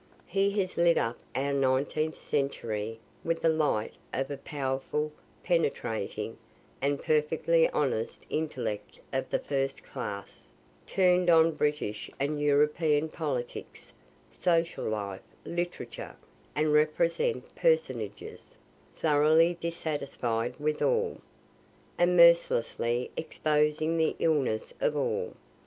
He has lit up our Nineteenth century with the light of a powerful, penetrating, and perfectly honest intellect of the first class, turn'd on British and European politics, social life, literature, and representative personages thoroughly dissatisfied with all, and mercilessly exposing the illness of all.